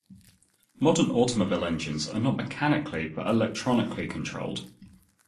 Modern automobile engines are not mechanically but electronically controlled.